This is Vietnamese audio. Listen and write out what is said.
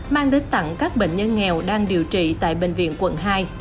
mang đến tặng các bệnh nhân nghèo đang điều trị tại bệnh viện quận hai